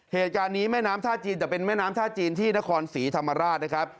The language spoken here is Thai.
เหตุการณ์นี้แม่น้ำท่าจีนแต่เป็นแม่น้ำท่าจีนที่นครศรีธรรมราชนะครับ